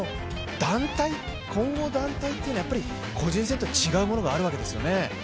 混合団体というのは個人戦とは違うものがあるわけですよね。